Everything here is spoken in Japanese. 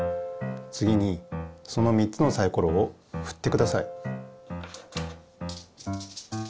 つぎにその３つのサイコロをふってください。